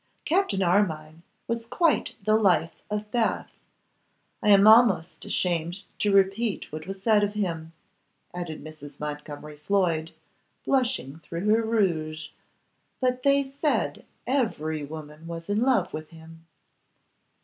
Captain Armine was quite the life of Bath I am almost ashamed to repeat what was said of him,' added Mrs. Montgomery Floyd, blushing through her rouge; 'but they said every woman was in love with him.